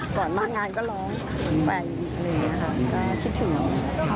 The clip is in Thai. ก่อนมางานก็ร้องไปอีกเลยนะครับก็คิดถึง